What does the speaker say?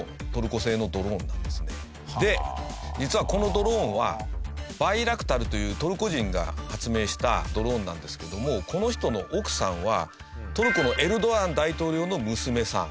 実はこのドローンはバイラクタルというトルコ人が発明したドローンなんですけどもこの人の奥さんはトルコのエルドアン大統領の娘さん。